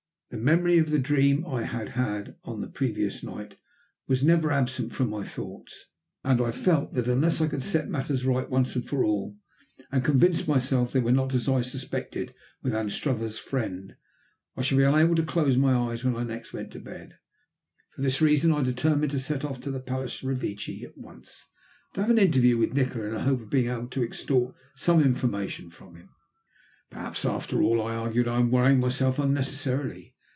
The memory of the dream I had had on the previous night was never absent from my thoughts, and I felt that unless I could set matters right once and for all, and convince myself that they were not as I suspected with Anstruther's friend, I should be unable to close my eyes when next I went to bed. For this reason I determined to set off to the Palace Revecce at once, and to have an interview with Nikola in the hope of being able to extort some information from him. "Perhaps after all," I argued, "I am worrying myself unnecessarily.